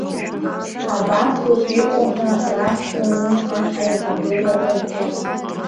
Абасоуп иҟоу ҳәа расҳәон усҟан аиҳабыра рҿы.